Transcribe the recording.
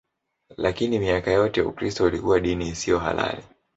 Lakini miaka yote Ukristo ulikuwa dini isiyo halali.